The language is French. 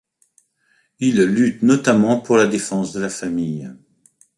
Il lutte notamment pour la défense de la famille.